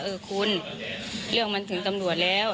เออคุณเรื่องมันถึงตำรวจแล้ว